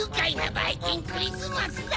バイキンクリスマスだ！